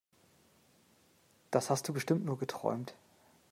Das hast du bestimmt nur geträumt!